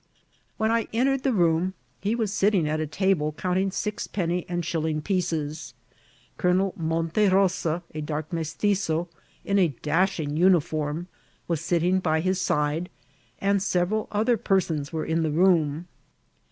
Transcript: "When I entered the room be was sitting at a table counting sixpenny and diilling pieces. Colonel Slonte Rosa, a dark Mestitzo, in a dashing mnform, was sitting by his side, and several other persons were in the room.